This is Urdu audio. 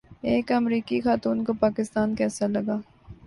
ایک امریکی خاتون کو پاکستان کیسا لگا